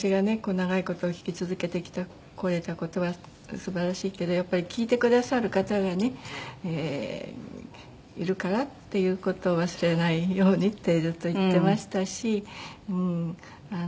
「長い事弾き続けてこれた事はすばらしいけどやっぱり聴いてくださる方がねいるからっていう事を忘れないように」ってずっと言ってましたし。